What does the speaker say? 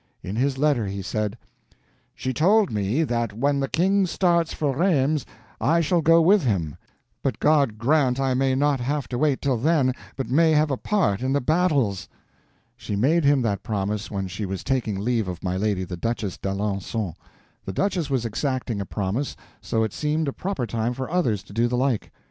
In his letter he said: "She told me that when the King starts for Rheims I shall go with him. But God grant I may not have to wait till then, but may have a part in the battles!" She made him that promise when she was taking leave of my lady the Duchess d'Alencon. The duchess was exacting a promise, so it seemed a proper time for others to do the like.